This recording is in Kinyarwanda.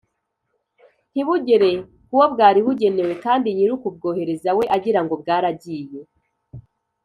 ntibugere ku wo bwari bugenewe kandi nyiri ukubwohereza we agira ngo bwaragiye